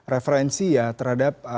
referensi ya terhadap